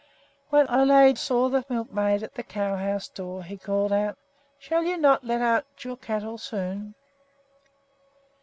When Ole saw the milkmaid at the cow house door he called out, "Shall you not let out your cattle soon?"